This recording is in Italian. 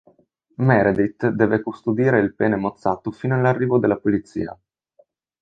Meredith deve custodire il pene mozzato fino all'arrivo della polizia.